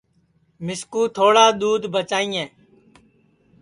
مِسکُو تھوڑا دُدھ بچائیئے